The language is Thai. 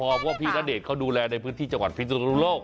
บอกว่าพี่ณเดชนเขาดูแลในพื้นที่จังหวัดพิศนุโลก